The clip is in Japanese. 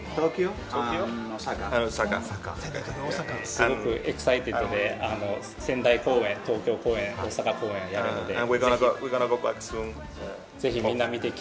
すごくエキサイテッドで、仙台公演、東京公演、大阪公演、来てください。